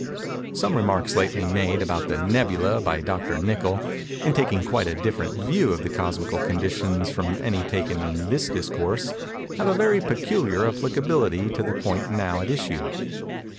Some remarks lately made about the "nebulæ" by Dr. Nichol, in taking quite a different view of the cosmical conditions from any taken in this Discourse—have a very peculiar applicability to the point now at issue.